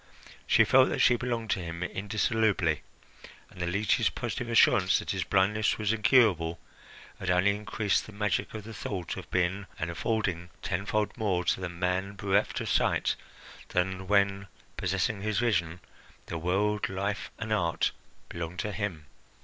She felt that she belonged to him indissolubly, and the leech's positive assurance that his blindness was incurable had only increased the magic of the thought of being and affording tenfold more to the man bereft of sight than when, possessing his vision, the world, life, and art belonged to him.